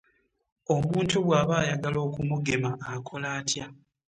Omuntu bw'aba ayagala okumugema akola atya?